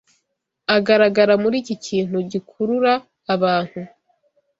agaragara muri iki kintu gikurura abantu